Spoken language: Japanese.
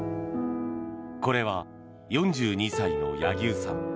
これは４２歳の柳生さん。